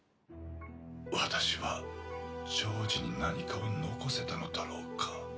私はジョージに何かを残せたのだろうか。